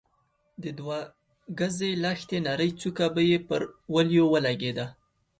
د دوه ګزۍ لښتې نرۍ څوکه به يې پر وليو ولګېده.